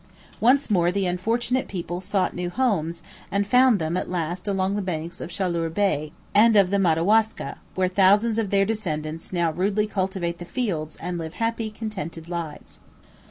Once more the unfortunate people sought new homes, and found them at last along the banks of Chaleur Bay and of the Madawaska, where thousands of their descendants now rudely cultivate the fields and live happy, contented lives.